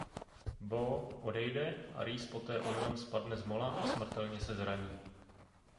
Beau odejde a Reese poté omylem spadne z mola a smrtelně se zraní.